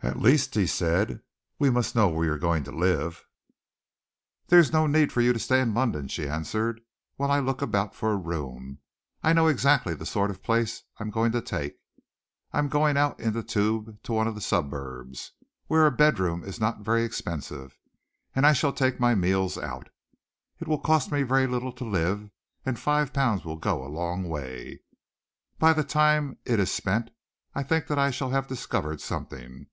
"At least," he said, "we must know where you are going to live." "There is no need for you to stay in London," she answered, "while I look about for a room. I know exactly the sort of place I am going to take. I am going out in the Tube to one of the suburbs, where a bedroom is not very expensive, and I shall take my meals out. It will cost me very little to live, and five pounds will go quite a long way. By the time it is spent, I think that I shall have discovered something.